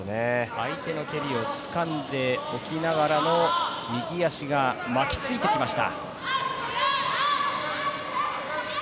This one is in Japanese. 相手の蹴りを掴んでおきながらの右足が巻きついてきました。